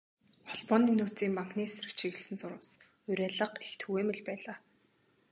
Холбооны нөөцийн банкны эсрэг чиглэсэн зурвас, уриалга их түгээмэл байлаа.